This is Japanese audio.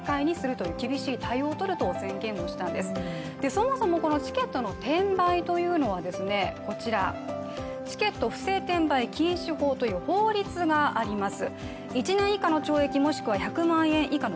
そもそもチケットの転売というのはこちらチケット不正転売禁止法という法律があります。